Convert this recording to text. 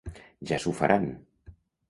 Ja s'ho faran!